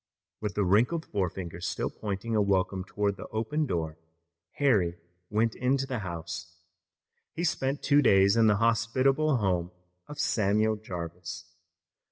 With the wrinkled forefinger still pointing a welcome toward the open door Harry went into the house. He spent two days in the hospitable home of Samuel Jarvis.